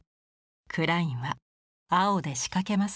クラインは青で仕掛けます。